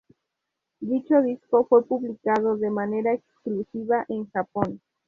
Dicho disco fue publicado de manera exclusiva en Japón.